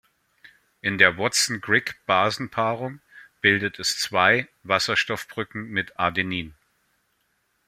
In der Watson-Crick-Basenpaarung bildet es zwei Wasserstoffbrücken mit Adenin.